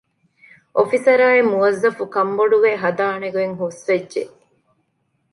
އޮފިސަރާއި މުވައްޒަފު ކަންބޮޑުވެ ހަދާނެގޮތް ހުސްވެއްޖެ